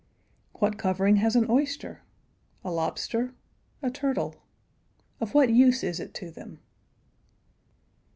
What covering has an oyster? A lobster? A turtle? Of what use is it to them?